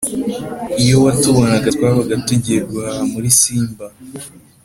iyo watubonaga twabaga tugiye guhaha muri Simba,